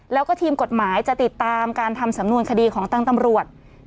แล้วก็ทีมกฎหมายจะติดตามการทำสำนวนคดีของทางตำรวจ